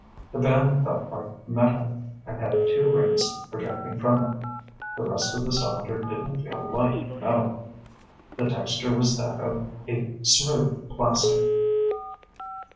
The band felt like metal, and had two rings projecting from it. The rest of the cylinder didn't feel like metal. The texture was that of a smooth plastic.